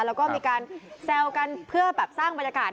แล้วก็มีการแซวกันเพื่อแบบสร้างบรรยากาศ